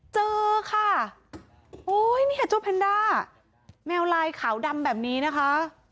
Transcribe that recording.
เจอค่ะโอ้ยเนี่ยเจ้าแพนด้าแมวลายขาวดำแบบนี้นะคะ